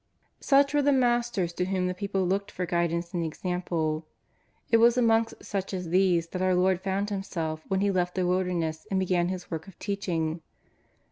Such were the masters to whom the people looked for guidance and example. It was amongst such as these that our Lord found Himself when He left the wilder ness and began His work of teaching.